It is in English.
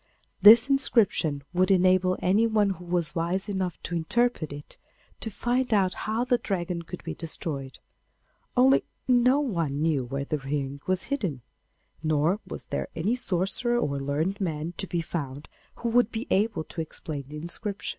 This inscription would enable anyone who was wise enough to interpret it to find out how the Dragon could be destroyed. Only no one knew where the ring was hidden, nor was there any sorcerer or learned man to be found who would be able to explain the inscription.